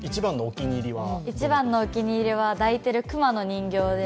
一番のお気に入りは、抱いている熊の人形で、